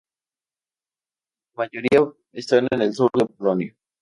La mayoría están en el sur de Polonia.